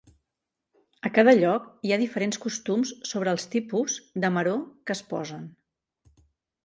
A cada lloc hi ha diferents costums sobre els tipus de "maror" que es posen.